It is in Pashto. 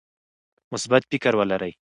مثبت فکر ولرئ.